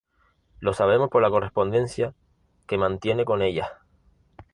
Lo sabemos por la correspondencia que mantiene con ellas.